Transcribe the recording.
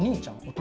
弟。